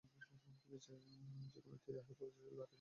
যে কোনো থিওরি বা হাইপোথিসিস দাঁড়ায় লজিকের ওপর।